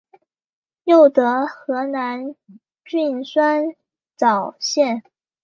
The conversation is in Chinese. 又得河南郡酸枣县。